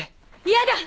嫌だ！